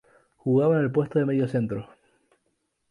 Jugaba en el puesto de mediocentro.